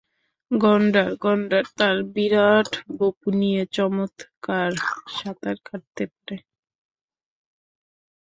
ন্ড- গণ্ডার- গণ্ডার তার বিরাট বপু নিয়ে চমৎকার সাঁতার কাটতে পারে।